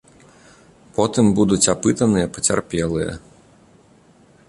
Потым будуць апытаныя пацярпелыя.